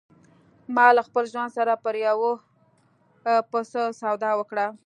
ما له خپل ژوند سره پر یوه پیسه سودا وکړه